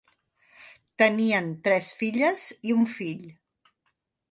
Tenien tres filles i un fill.